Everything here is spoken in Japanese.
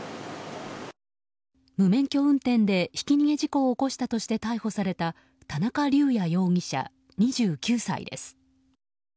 無免許運転でひき逃げ事故を起こしたとして逮捕された田中龍也容疑者、２９歳です。